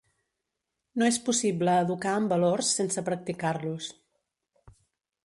No és possible educar en valors sense practicar-los.